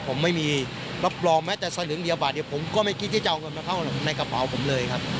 ผมไม่มีรับรองแม้แต่สลึงเดียวบาทเดียวผมก็ไม่คิดที่จะเอาเงินมาเข้าในกระเป๋าผมเลยครับ